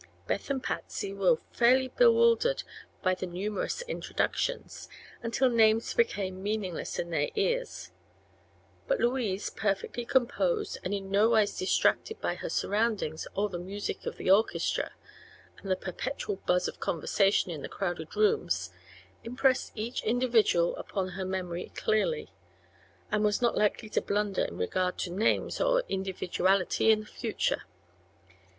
Beth and Patsy were fairly bewildered by the numerous introductions, until names became meaningless in their ears; but Louise, perfectly composed and in no wise distracted by her surroundings or the music of the orchestra and the perpetual buzz of conversation in the crowded rooms, impressed each individual upon her memory clearly, and was not likely to blunder in regard to names or individuality in the future.